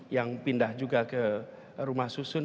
yang pindah juga ke rumah susun